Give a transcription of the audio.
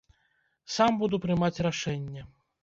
Сам буду прымаць рашэнне.